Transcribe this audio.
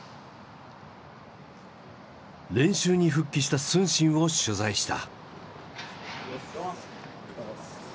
練習に復帰した承信を取材した。